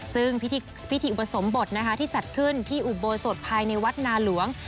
ซึ่งพิธีอุปสมบทนะคะที่จัดขึ้นที่อุโบสถภายในวัดนาหลวง